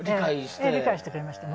理解してくれました。